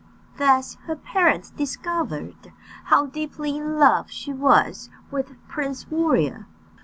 Thus her parents discovered how deeply in love she was with Prince Warrior.